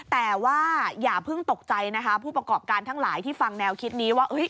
แต่ว่าอย่าเพิ่งตกใจนะคะผู้ประกอบการทั้งหลายที่ฟังแนวคิดนี้ว่า